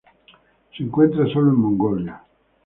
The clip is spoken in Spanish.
Se encuentra sólo en Mongolia.